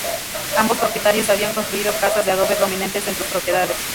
Ambos propietarios habían construido casas de adobe prominentes en sus propiedades.